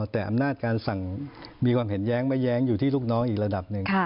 แต่อำนาจการสั่งมีความเห็นแย้งไม่แย้งอยู่ที่ลูกน้องอีกระดับหนึ่ง